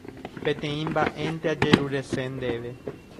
Peteĩ mba'énte ajerurese ndéve.